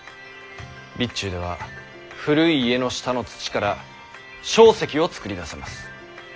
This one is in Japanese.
備中では古い家の下の土から硝石を作り出せます。